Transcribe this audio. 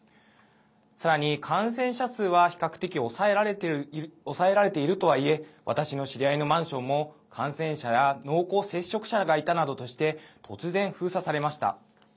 さらに感染者数は比較的抑えられているとはいえ私の知り合いのマンションも感染者や濃厚接触者らがいたなどとして突然封鎖されました。